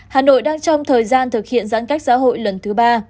hà nội đang trong thời gian thực hiện giãn cách xã hội lần thứ ba